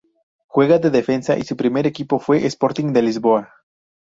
Juega de defensa y su primer equipo fue Sporting de Lisboa.